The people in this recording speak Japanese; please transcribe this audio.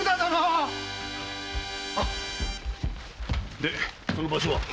でその場所は？